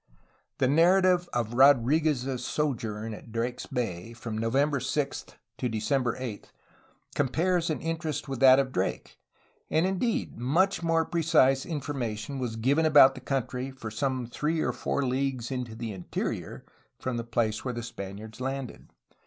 The narrative of Rodriguez's sojourn at Drake's Bay, from November 6 to December 8, compares in interest with that of Drake, and indeed much more precise information was given about the country for some three or four leagues into the interior from the place where the Spaniards landed.